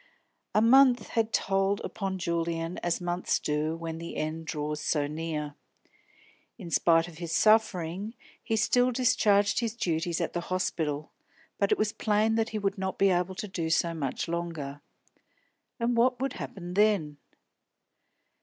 A month had told upon Julian as months do when the end draws so near. In spite of his suffering he still discharged his duties at the hospital, but it was plain that he would not be able to do so much longer. And what would happen then?